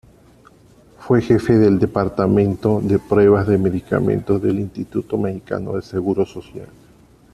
Fue jefe del Departamento de Pruebas de Medicamentos del Instituto Mexicano del Seguro Social.